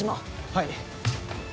はい。